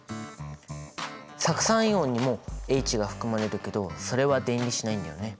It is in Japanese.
酢酸イオンにもＨが含まれるけどそれは電離しないんだよね。